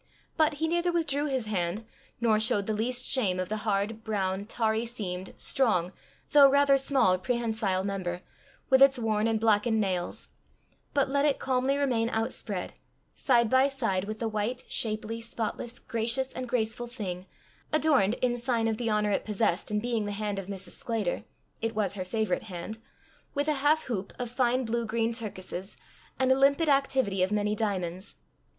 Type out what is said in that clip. But he neither withdrew his hand, nor showed the least shame of the hard, brown, tarry seamed, strong, though rather small prehensile member, with its worn and blackened nails, but let it calmly remain outspread, side by side with the white, shapely, spotless, gracious and graceful thing, adorned, in sign of the honour it possessed in being the hand of Mrs. Sclater, it was her favourite hand, with a half hoop of fine blue green turkises, and a limpid activity of many diamonds.